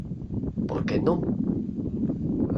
Porque non.